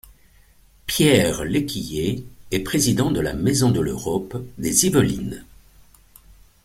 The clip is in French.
Pierre Lequiller est président de la Maison de l'Europe des Yvelines.